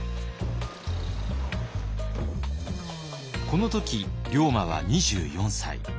この時龍馬は２４歳。